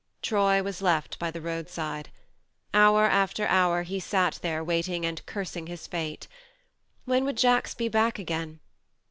Troy was left by the roadside. Hour after hour he sat there waiting and cursing his fate. When would Jacks be back again